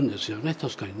確かにね。